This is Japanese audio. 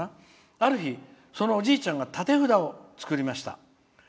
「ある日、おじいちゃんが立て札を作りました。